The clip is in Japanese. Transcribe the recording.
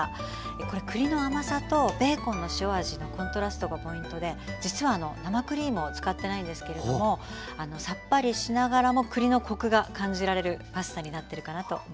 これ栗の甘さとベーコンの塩味のコントラストがポイントで実は生クリームを使ってないんですけれどもさっぱりしながらも栗のコクが感じられるパスタになってるかなと思います。